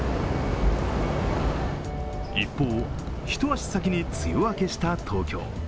一方、一足先に梅雨明けした東京。